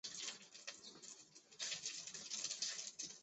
梁山镇是中国山东省济宁市梁山县下辖的一个镇。